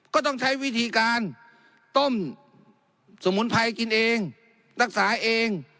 ก็ต้องใช้วิธีการต้มสมุนไพรกินเองรักษาเอง